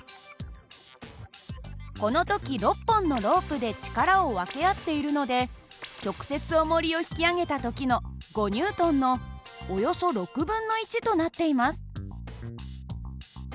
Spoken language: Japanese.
この時６本のロープで力を分け合っているので直接おもりを引き上げた時の５Ｎのおよそ６分の１となっています。